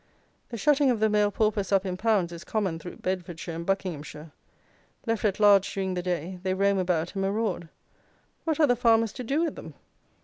The shutting of the male paupers up in pounds is common through Bedfordshire and Buckinghamshire. Left at large during the day, they roam about and maraud. What are the farmers to do with them?